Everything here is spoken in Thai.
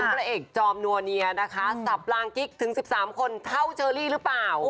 พระเอกจอมนัวเนียนะคะสับลางกิ๊กถึง๑๓คนเท่าเชอรี่หรือเปล่า